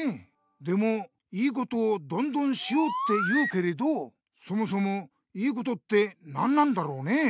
でも良いことをどんどんしようって言うけれどそもそも「良いこと」って何なんだろうね？